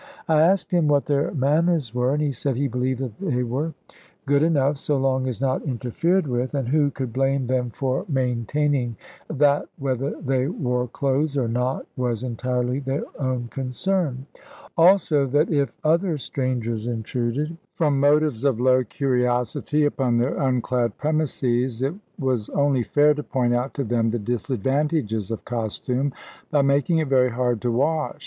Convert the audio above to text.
I asked him what their manners were; and he said he believed they were good enough, so long as not interfered with; and who could blame them for maintaining that whether they wore clothes or not was entirely their own concern: also, that if outer strangers intruded, from motives of low curiosity, upon their unclad premises, it was only fair to point out to them the disadvantages of costume, by making it very hard to wash?